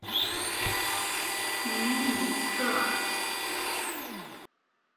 于伊特尔。